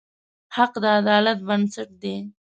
حق د عدالت بنسټ دی.